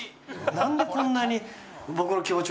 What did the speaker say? なんでこんなに。